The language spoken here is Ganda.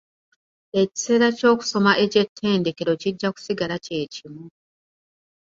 Ekiseera ky'okusoma eky'ettendekero kijja kusigala kye kimu.